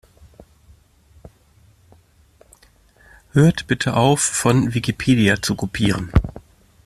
Hört bitte auf, von Wikipedia zu kopieren!